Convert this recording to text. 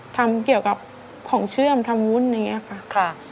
ทำเกี่ยวกับของเชื่อมทำวุ้นอย่างนี้ค่ะ